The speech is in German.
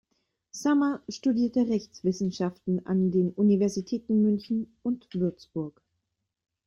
Summer studierte Rechtswissenschaften an den Universitäten München und Würzburg.